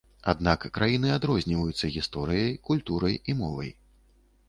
Аднак краіны адрозніваюцца гісторыяй, культурай і мовай.